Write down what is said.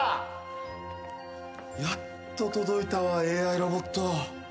やっと届いたわＡＩロボット。